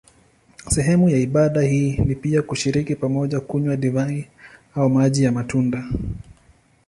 Sehemu ya ibada hii ni pia kushiriki pamoja kunywa divai au maji ya matunda.